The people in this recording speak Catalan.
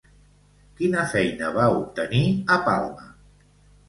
Quina feina va obtenir a Palma?